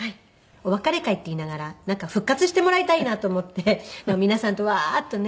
お別れ会っていいながらなんか復活してもらいたいなと思って皆さんとワーッとね。